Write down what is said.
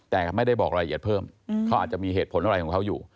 แต่ไม่ได้บอกรายละเอียดเพิ่มเขาอาจจะมีเหตุผลอะไรของเขาอยู่